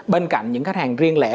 bên cạnh những khách hàng riêng lẻ